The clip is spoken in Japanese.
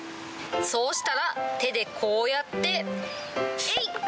そうしたら、手でこうやって、えい！